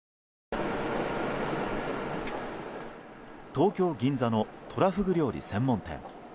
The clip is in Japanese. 東京・銀座のトラフグ料理専門店。